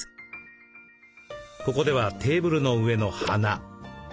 ここではテーブルの上の花。